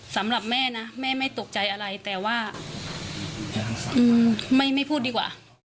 สำหรับแม่นะแม่ไม่ตกใจอะไรแต่ว่าไม่พูดดีกว่า